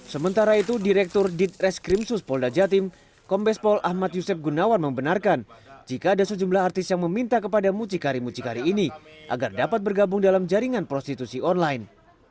sementara itu direktur ditreskrim suspolda jatim kombespol ahmad yusef gunawan membenarkan jika ada sejumlah artis yang meminta kepada mucikari mucikari ini agar dapat bergabung dalam jaringan prostitusi online